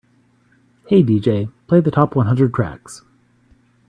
"Hey DJ, play the top one hundred tracks"